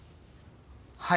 はい。